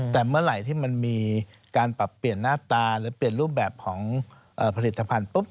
แต่เมื่อไหร่ที่มันมีการปรับเปลี่ยนหน้าตาหรือเปลี่ยนรูปแบบของผลิตภัณฑ์ปุ๊บ